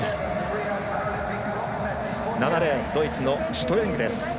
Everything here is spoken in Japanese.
７レーンドイツのシュトレングです。